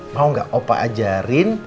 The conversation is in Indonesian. mau gak opa ajarin